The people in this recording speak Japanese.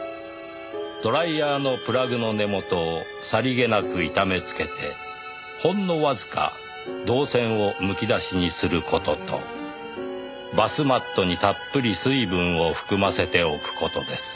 「ドライヤーのプラグの根元をさりげなく傷めつけてほんのわずか導線をむき出しにする事とバスマットにたっぷり水分を含ませておく事です」